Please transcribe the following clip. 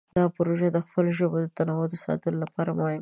دا پروژه د خپلو ژبو د تنوع د ساتلو لپاره مهمه ده.